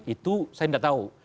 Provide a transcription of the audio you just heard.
itu saya gak tahu